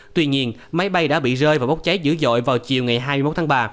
tuy nhiên máy bay đã bị rơi và bốc cháy dữ dội vào chiều ngày hai mươi một tháng ba